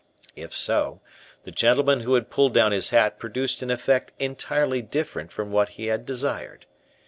If so, the gentleman who had pulled down his hat produced an effect entirely different from what he had desired.